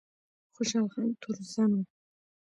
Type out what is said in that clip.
خوشحال خان تورزن و